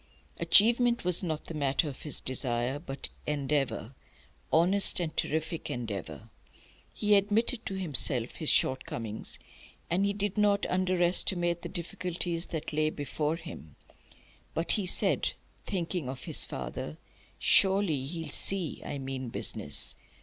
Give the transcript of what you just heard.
Achievement was not the matter of his desire; but endeavour, honest and terrific endeavour. He admitted to himself his shortcomings, and he did not under estimate the difficulties that lay before him; but he said, thinking of his father: "Surely he'll see I mean business!